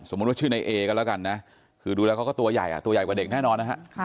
ว่าชื่อในเอกันแล้วกันนะคือดูแล้วเขาก็ตัวใหญ่ตัวใหญ่กว่าเด็กแน่นอนนะฮะ